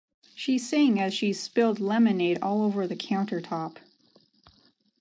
She sang as she spilled lemonade all over the countertop.